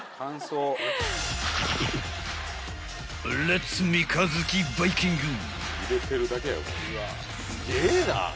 ［レッツ三日月バイキング］